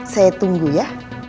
saya tunggu ya